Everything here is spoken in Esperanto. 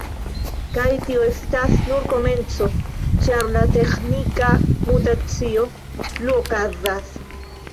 Kaj tio estas nur komenco, ĉar la teĥnika mutacio plu okazas.